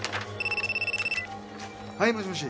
はいもしもし。